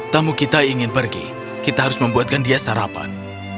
tamu kita ingin pergi kita harus membuatkan dia sarapan